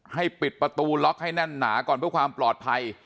ให้ปิดประตูล็อกให้แน่นหนาก่อนเพื่อความปลอดภัย